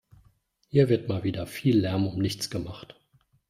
Hier wird mal wieder viel Lärm um nichts gemacht.